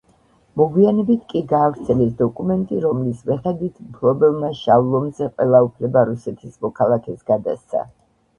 მოგვიანებით კი გაავრცელეს დოკუმენტი, რომლის მიხედვით, მფლობელმა „შავ ლომზე“ ყველა უფლება რუსეთის მოქალაქეს გადასცა.